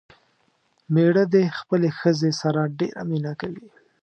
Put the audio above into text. مېړه دې خپلې ښځې سره ډېره مينه کوي